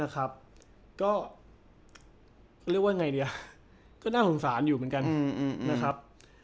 ก็เรียกว่าไงเนี่ยก็น่าสงสารอยู่เหมือนกันอืมอืมอืมนะครับ